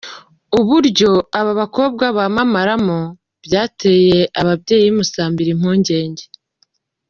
Uburyo aba bakobwa bamabaramo bwateye ababyeyi b'i Musambira impungenge.